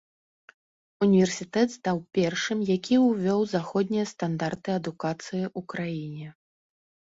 Універсітэт стаў першым, які ўвёў заходнія стандарты адукацыі ў краіне.